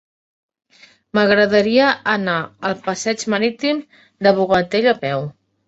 M'agradaria anar al passeig Marítim del Bogatell a peu.